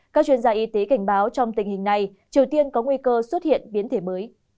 các chuyên gia y tế cảnh báo trong tình hình này triều tiên có nguy cơ xuất hiện biến thể mới